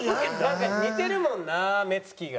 なんか似てるもんな目つきが。